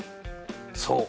そう。